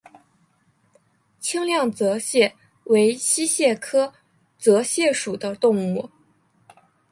清亮泽蟹为溪蟹科泽蟹属的动物。